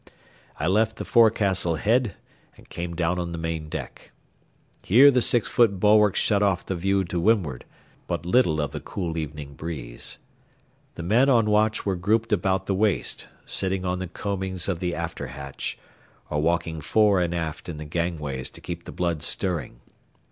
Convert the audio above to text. I left the forecastle head and came down on the main deck. Here the six foot bulwarks shut off the view to windward, but little of the cool evening breeze. The men on watch were grouped about the waist, sitting on the combings of the after hatch, or walking fore and aft in the gangways to keep the blood stirring.